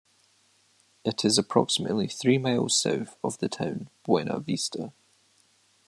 It is approximately three miles south of the town of Buena Vista.